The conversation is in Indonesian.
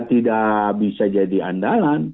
tidak bisa jadi andalan